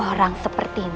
orang seperti ini